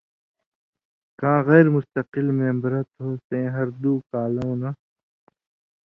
کاں غېر مُستقل مېمبرہ تھو سَیں ہر دُو کالؤں نہ